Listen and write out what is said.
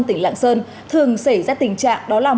tỉnh lạng sơn thường xảy ra tình trạng đó là một